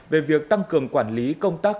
về việc tăng cường quản lý công tác